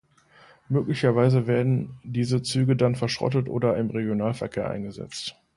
Möglicherweise werden diese Züge dann verschrottet oder im Regionalverkehr eingesetzt.